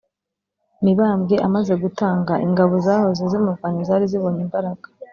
Mibambwe amaze gutanga, ingabo zahoze zimurwanya zari zibonye imbaraga.